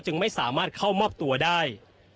ไม่สามารถเข้ามอบตัวได้